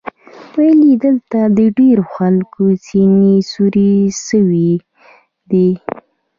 ویل یې دلته د ډېرو خلکو سینې سوري سوري دي.